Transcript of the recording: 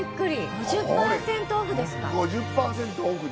５０％オフです。